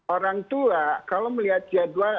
orang tua kalau melihat jadwal